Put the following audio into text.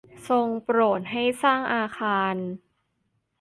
ทรงโปรดให้สร้างอาคาร